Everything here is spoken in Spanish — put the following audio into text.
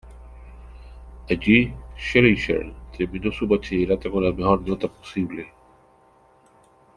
Allí Schleicher terminó su bachillerato con la mejor nota posible.